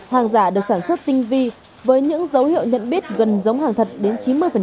hàng giả được sản xuất tinh vi với những dấu hiệu nhận biết gần giống hàng thật đến chín mươi